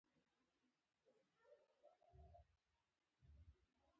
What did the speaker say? په لومړنیو اشتراکي ټولنو کې مؤلده ځواکونه مهم وو.